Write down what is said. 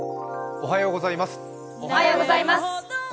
おはようございます。